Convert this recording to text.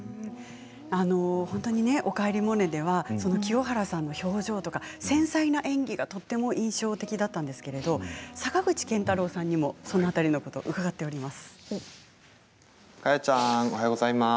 本当に「おかえりモネ」では清原さんの表情とか繊細な演技がとても印象的だったんですけども坂口健太郎さんにもその辺りのことを伺っています。